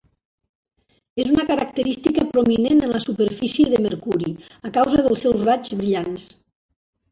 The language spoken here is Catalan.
És una característica prominent en la superfície de Mercuri a causa dels seus raigs brillants.